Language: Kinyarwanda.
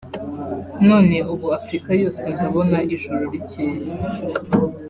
“None ubu Africa yose ndabona ijuru ricyeye